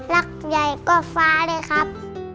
รักใหญ่ก็ฟ้าเลยครับ